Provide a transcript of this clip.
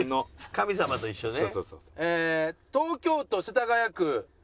神様と一緒ね。